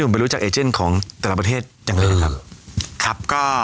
เวลามีได้เลยครับ